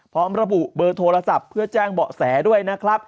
พร้อมระบุเบอร์โทรศัพท์เพื่อแจ้งเบาะแสด้วยนะครับ